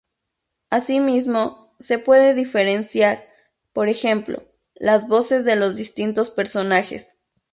Así mismo, se puede diferenciar, por ejemplo, las voces de los distintos personajes.